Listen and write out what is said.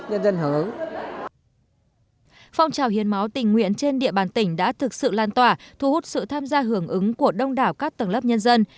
trong thời gian tới chúng tôi mong rằng tiếp tục được sự hưởng ứng của các tình nguyện viên để phong trào hiến máu tình nguyện trên địa bàn tỉnh đã thực sự lan tỏa thu hút sự tham gia hưởng ứng của đông đảo các tầng lớp nhân dân